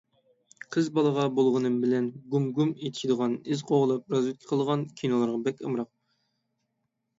قىز بالا بولغىنىم بىلەن گۇم-گۇم ئېتىشىدىغان، ئىز قوغلاپ رازۋېدكا قىلىدىغان كىنولارغا بەك ئامراق.